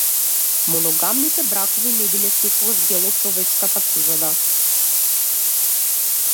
Моногамните бракови не биле секогаш дел од човечката природа.